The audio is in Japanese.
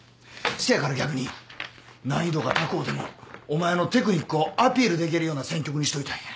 そやから逆に難易度が高うてもお前のテクニックをアピールできるような選曲にしといたんや。